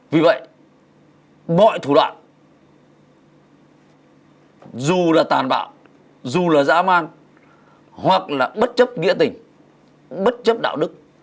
vì vậy mọi thủ đoạn dù là tàn bạo dù là dã man hoặc là bất chấp nghĩa tình bất chấp đạo đức